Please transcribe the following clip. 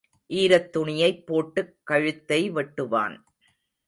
ஈரத் துணியைப் போட்டுக் கழுத்தை வெட்டுவான்.